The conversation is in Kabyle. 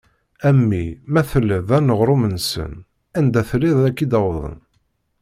A mmi ma telliḍ d aneɣrum-nsen, anda telliḍ ad ak-id-awḍen.